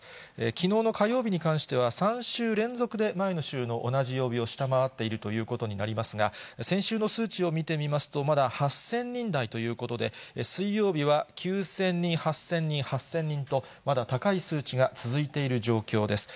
きのうの火曜日に関しては、３週連続で前の週の同じ曜日を下回っているということになりますが、先週の数値を見てみますと、まだ８０００人台ということで、水曜日は９０００人、８０００人、８０００人と、まだ高い数値が続いている状況です。